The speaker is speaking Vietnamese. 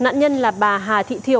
nạn nhân là bà hà thị thiêu